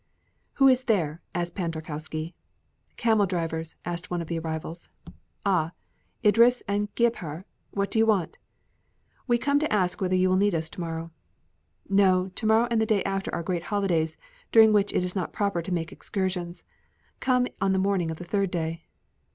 "Who is there?" asked Pan Tarkowski. "Camel drivers," answered one of the arrivals. "Ah, Idris and Gebhr? What do you want?" "We come to ask whether you will need us to morrow." "No. To morrow and the day after are great holidays, during which it is not proper to make excursions. Come on the morning of the third day."